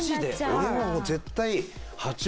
俺はもう絶対。